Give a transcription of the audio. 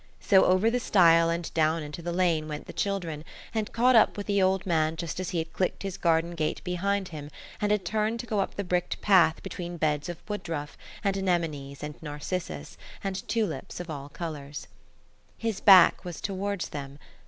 So over the stile and down into the lane went the children, and caught up with the old man just as he had clicked his garden gate behind him and had turned to go up the bricked path between beds of woodruff, and anemones, and narcissus, and tulips of all colours. His back was towards them.